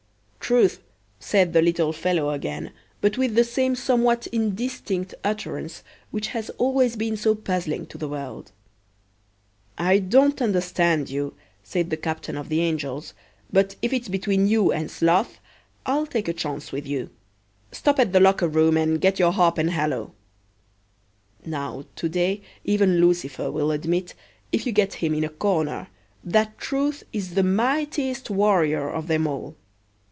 "Truth," said the little fellow again but with the same somewhat indistinct utterance which has always been so puzzling to the world. "I don't understand you," said the Captain of the Angels, "but if it's between you and Sloth I'll take a chance with you. Stop at the locker room and get your harp and halo." Now to day even Lucifer will admit, if you get him in a corner, that Truth is the mightiest warrior of them all.